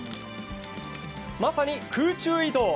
まさに空中移動。